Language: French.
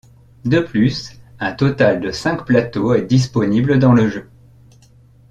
De plus, un total de cinq plateaux est disponible dans le jeu.